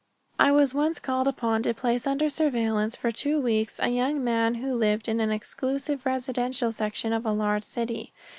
I was once called upon to place under surveillance for two weeks a young man who lived in an exclusive residential section of a large city.